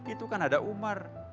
itu kan ada umar